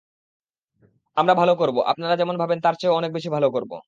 আমরা ভালো করব, আপনারা যেমন ভাবেন তার চেয়েও অনেক বেশি ভালো করব।